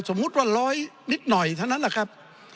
สมมุติว่าร้อยนิดหน่อยเท่านั้นแหละครับ